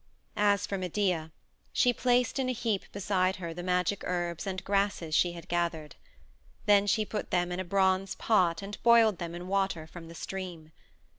As for Medea, she placed in a heap beside her the magic herbs and grasses she had gathered. Then she put them in a bronze pot and boiled them in water from the stream.